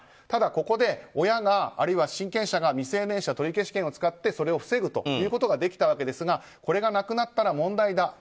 ただ、ここで親や親権者が未成年者取消権を使ってそれを防ぐということができたわけですがこれがなくなったら問題だ。